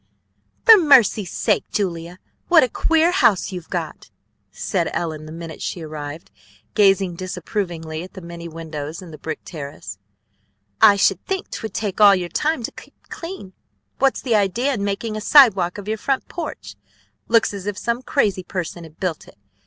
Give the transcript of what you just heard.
"For mercy's sake, Julia, what a queer house you've got!" said Ellen the minute she arrived, gazing disapprovingly at the many windows and the brick terrace. "I should think 'twould take all your time to keep clean. What's the idea in making a sidewalk of your front porch? Looks as if some crazy person had built it.